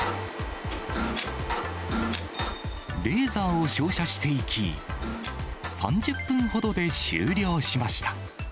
レーザーを照射していき、３０分ほどで終了しました。